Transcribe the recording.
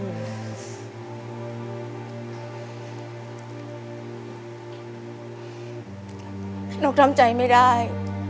นกต้องทำใจไม่ได้